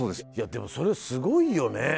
でもそれすごいよね。